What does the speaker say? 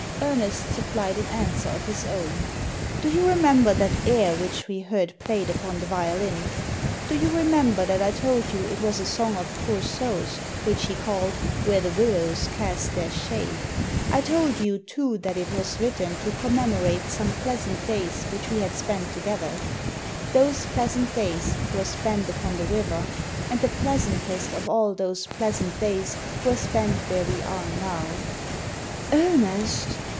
Ernest supplied an answer of his own. « Do you remember that air which we heard played upon the violin ? Do you remember that I told you it was a song of Coursault's, which he called, * Where the Willows cast their Shade '? I told you, too, that it was written to commemorate some pleasant days which we had spent together. Those pleasant days were spent upon the river, and the pleasantest of all those pleasant days were spent where we are now." "Ernest!"